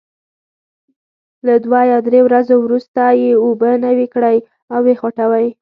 له دوه یا درې ورځو وروسته یې اوبه نوي کړئ او وې خوټوئ.